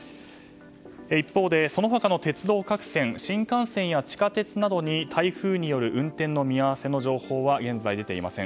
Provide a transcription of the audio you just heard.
一方でその他の鉄道各線新幹線、地下鉄などに台風による運転の見合わせ情報は現在出ていません。